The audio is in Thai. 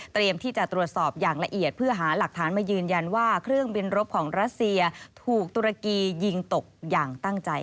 ที่จะตรวจสอบอย่างละเอียดเพื่อหาหลักฐานมายืนยันว่าเครื่องบินรบของรัสเซียถูกตุรกียิงตกอย่างตั้งใจ